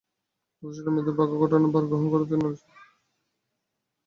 পুরুষেরা মেয়েদের ভাগ্য গঠনের ভার গ্রহণ করাতেই নারীজাতির যত কিছু অনিষ্ট হইয়াছে।